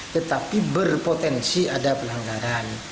tetapi berpotensi ada pelanggaran